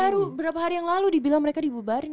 baru berapa hari yang lalu dibilang mereka dibubarin